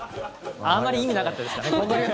あまり意味なかったですかね。